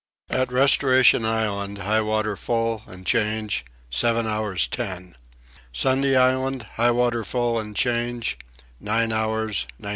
At Restoration Island high water full and change : 7 hours 10. Sunday Island high water full and change : 9 hours 19.